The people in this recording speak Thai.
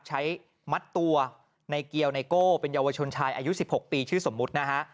ใช้มัดตัวในเกียวไนโก้เป็นเยาวชนชายอายุ๑๖ปีชื่อสมมุตินะฮะ